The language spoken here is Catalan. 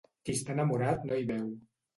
Qui està enamorat no hi veu.